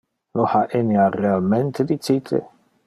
Lo ha Enea realmente dicite?